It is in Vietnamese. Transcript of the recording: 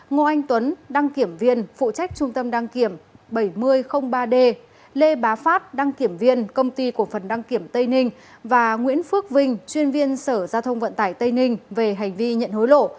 ngô anh tuấn đăng kiểm viên phụ trách trung tâm đăng kiểm bảy nghìn ba d lê bá phát đăng kiểm viên công ty cổ phần đăng kiểm tây ninh và nguyễn phước vinh chuyên viên sở giao thông vận tải tây ninh về hành vi nhận hối lộ